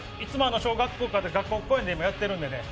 小学校とか学校公演でもやってるんでね。